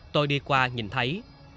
tôi đi qua nhìn thấy